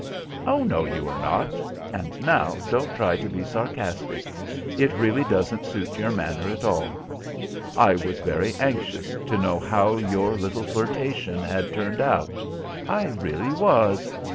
"Oh no, you are not; and now, don't try to be sarcastic, it really doesn't suit your manner at all. I was very anxious to know how your little flirtation had turned out. I really was.